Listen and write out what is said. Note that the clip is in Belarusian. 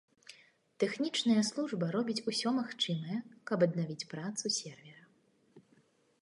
Тэхнічная служба робіць усё магчымае, каб аднавіць працу сервера.